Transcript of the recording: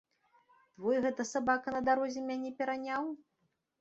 Твой гэта сабака на дарозе мяне пераняў?